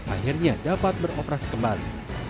akhirnya dapat beroperasi kembali